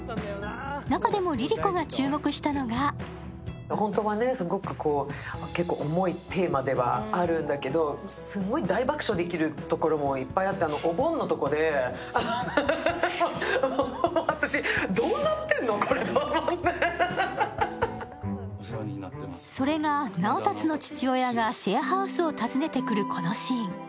中でもＬｉＬｉＣｏが注目したのが重いテーマではあるんだけど、すごい大爆笑できるところもいっぱいあってそれが、直達の父親がシェアハウスを訪ねてくるこのシーン。